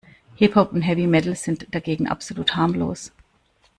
Hip-Hop und Heavy Metal sind dagegen absolut harmlos.